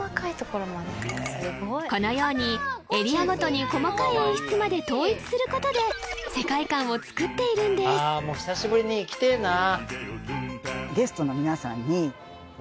このようにエリアごとに細かい演出まで統一することで世界観を作っているんですあ